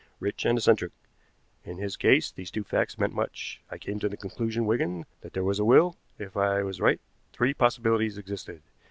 Rich and eccentric. In his case these two facts meant much. I came to the conclusion, Wigan, that there was a will. If I was right three possibilities existed.